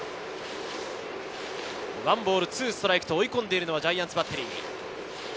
１ボール２ストライク、追い込んでいるのはジャイアンツバッテリー。